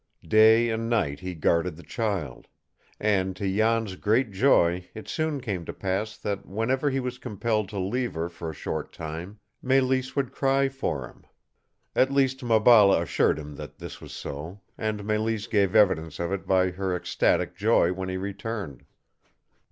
Day and night he guarded the child; and to Jan's great joy it soon came to pass that whenever he was compelled to leave her for a short time, Mélisse would cry for him. At least Maballa assured him that this was so, and Mélisse gave evidence of it by her ecstatic joy when he returned.